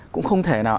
cũng không thể nào